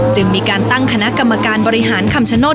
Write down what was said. จึงมีการตั้งคณะกรรมการบริหารคำชโนธ